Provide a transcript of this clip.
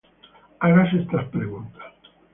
Hágase estas preguntas: